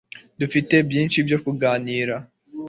Dufite byinshi byo kuganira